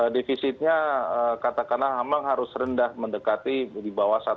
defisitnya katakanlah memang harus rendah mendekati di bawah satu